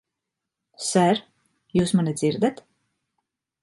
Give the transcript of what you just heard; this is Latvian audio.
Ser, jūs mani dzirdat?